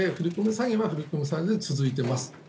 詐欺は振り込め詐欺で続いています。